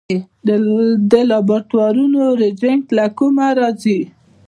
د لابراتوارونو ریجنټ له کومه راځي؟